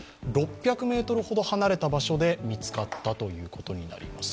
６００ｍほど離れた場所で見つかったということになります。